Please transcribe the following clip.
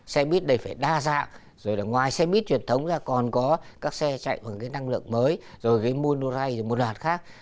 xe buýt này phải đa dạng rồi là ngoài xe buýt truyền thống ra còn có các xe chạy bằng cái năng lượng mới rồi cái monorai rồi một đoạn khác